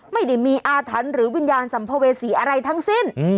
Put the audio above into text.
ไม่ได้มีอาถรรพ์หรือวิญญาณสัมภเวษีอะไรทั้งสิ้น